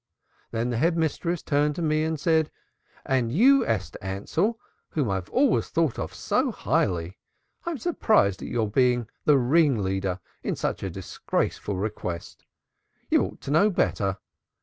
Then the Head Mistress turned to me and she said: 'And you, Esther Ansell, whom I always thought so highly of, I'm surprised at your being the ringleader in such a disgraceful request. You ought to know better.